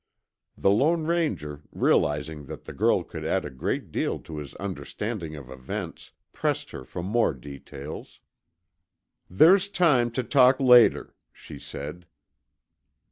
The Lone Ranger, realizing that the girl could add a great deal to his understanding of events, pressed her for more details. "There's time to talk later," she said.